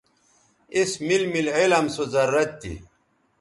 اس میل میل علم سو ضرورت تھی